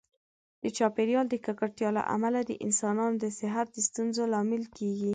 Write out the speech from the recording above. د چاپیریال د ککړتیا له امله د انسانانو د صحت د ستونزو لامل کېږي.